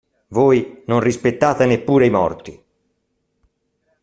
Voi non rispettate neppure i morti.